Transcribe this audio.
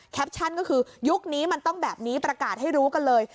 ชั่นก็คือยุคนี้มันต้องแบบนี้ประกาศให้รู้กันเลย